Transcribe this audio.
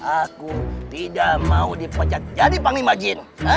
aku tidak mau dipecat jadi panglima jin